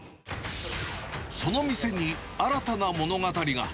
その店に、新たな物語が。